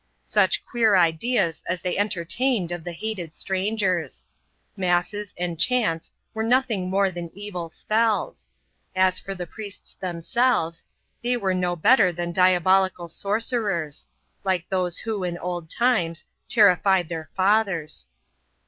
Such queer ideas as they entertained of the hated strangers ! Masses and chants were nothing more than evil spells. As for the priests themselves, they were no better than diabolical sorcerers ; like those who, in old times, terrified their fathers.